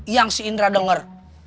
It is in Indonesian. yang si indra denger